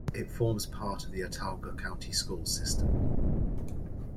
It forms part of the Autauga County School System.